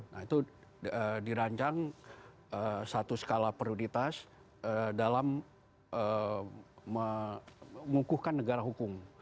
nah itu dirancang satu skala prioritas dalam mengukuhkan negara hukum